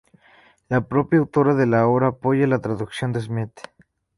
La propia autora de la obra apoya la traducción de Smith.